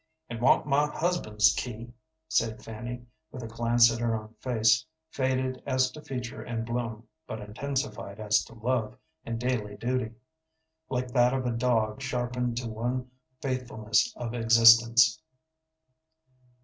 "It wa'n't my husband's key," said Fanny, with a glance at her own face, faded as to feature and bloom, but intensified as to love and daily duty, like that of a dog sharpened to one faithfulness of existence.